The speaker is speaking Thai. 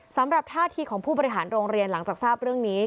สำหรับท่าทีของผู้บริหารโรงเรียนหลังจากทราบเรื่องนี้